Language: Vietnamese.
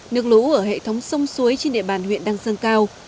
nước lũ ở hệ thống sông suối trên địa bàn huyện đang dâng cao